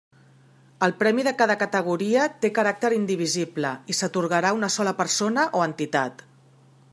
El premi de cada categoria té caràcter indivisible i s'atorgarà a una sola persona o entitat.